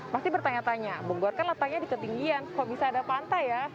pasti bertanya tanya bogor kan letaknya di ketinggian kok bisa ada pantai ya